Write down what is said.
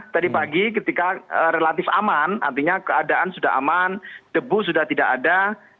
tadi pagi ketika relatif aman artinya keadaan sudah aman debu sudah tidak ada